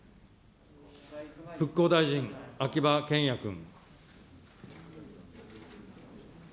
復興大臣、秋葉賢也君。